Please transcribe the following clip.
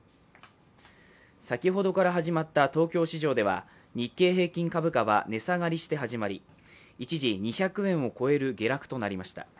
先ほどから始まった東京市場では日経平均株価は値下がりして始まり一時２００円を超える下落となりました。